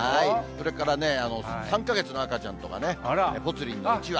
それからね、３か月の赤ちゃんとかね、ぽつリンのうちわ。